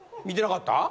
見てなかった？